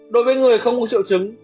đối với người không có triệu chứng